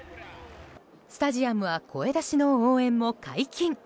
スタジアムは声出しの応援も解禁。